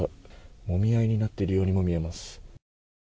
もみ合いになっているようにも見えます。